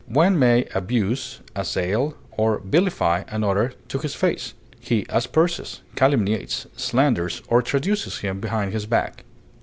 One may "abuse," "assail," or vilify another to his face; he asperses, calumniates, slanders, or traduces him behind his back.